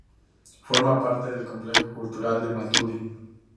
Forma parte del Complejo Cultural de Maturín.